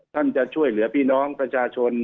ท่านจะช่วยเหลือพี่น้องประชาชน